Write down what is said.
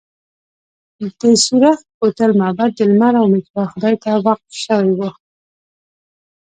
د سورخ کوتل معبد د لمر او میترا خدای ته وقف شوی و